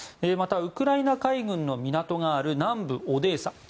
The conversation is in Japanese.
また、ウクライナ海軍の港がある南部オデーサ。